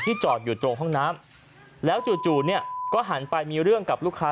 จอดอยู่ตรงห้องน้ำแล้วจู่เนี่ยก็หันไปมีเรื่องกับลูกค้า